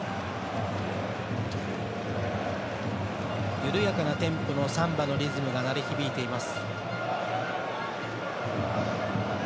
緩やかなテンポのサンバのリズムが鳴り響いています。